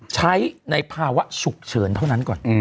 ใช้ในภาวะฉุกเฉินเท่านั้นก่อน